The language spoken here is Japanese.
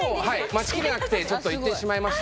待ちきれなくて行ってしまいましたので。